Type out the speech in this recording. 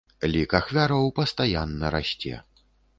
Лік ахвяраў пастаянна расце.